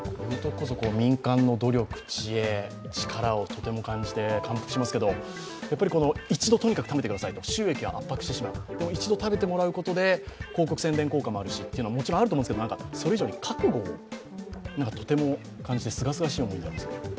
民間の努力、知恵、力をとても感じて感服しますけど一度とにかく食べてくださいと、収益が圧迫してしまう、でも、一度食べてもらうことで広告宣伝効果がもちろんあると思うんですけどそれ以上に覚悟をとても感じてすがすがしい思いになりますね。